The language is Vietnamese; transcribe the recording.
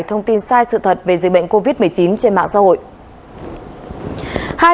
thông tin sai sự thật về dịch bệnh covid một mươi chín trên mạng xã hội